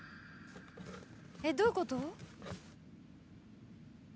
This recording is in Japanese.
えっどういうこと？